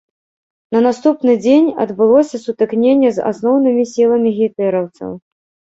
На наступны дзень адбылося сутыкненне з асноўнымі сіламі гітлераўцаў.